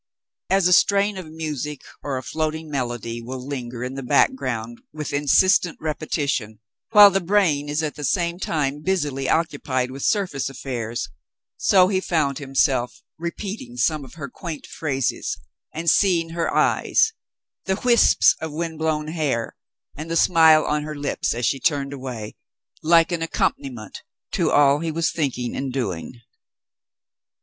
As a strain of music or a floating melody will linger in the background with insistent repetition, while the brain is at the same time busily occupied with surface affairs, so he found himself repeating some of her quaint phrases, and seeing her eyes — the wisps of wind blown hair — and the smile on her lips, as she turned away, like an accompaniment to all he was thinking and doing.